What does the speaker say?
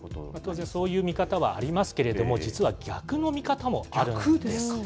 当然そういう見方はありますけれども、実は逆の見方もあるん逆ですか。